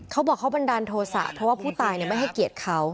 เขาบอกเขาบันดาลโทษะเพราะว่าผู้ตายไม่ให้เกียรติเขา